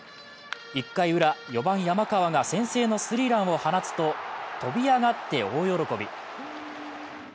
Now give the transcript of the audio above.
１回ウラ、４番・山川が先制のスリーランを放つと飛び上がって大喜び。